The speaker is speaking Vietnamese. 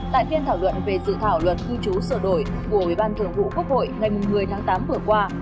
tại phiên thảo luận về sự thảo luận cư trú sửa đổi của ubth ngày một mươi tháng tám vừa qua